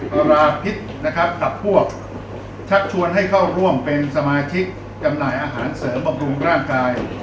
ราพิษนะครับกับพวกชักชวนให้เข้าร่วมเป็นสมาชิกจำหน่ายอาหารเสริมบำรุงร่างกาย